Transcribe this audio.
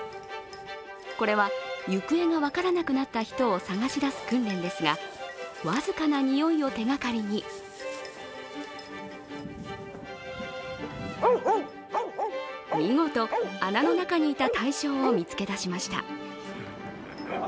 これは行方が分からなくなった人を捜し出す訓練ですが僅かな匂いを手がかりに見事、穴の中にいた対象を見つけ出しました。